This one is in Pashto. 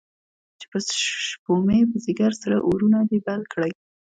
چې په شپومې، په ځیګر کې سره اورونه دي بل کړی